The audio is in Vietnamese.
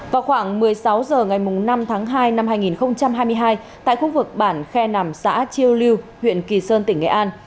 vào khoảng một mươi sáu h ngày năm tháng hai năm hai nghìn hai mươi hai tại khu vực bản khe nằm xã chiêu lưu huyện kỳ sơn tỉnh nghệ an